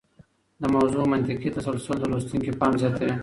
د موضوع منطقي تسلسل د لوستونکي پام زیاتوي.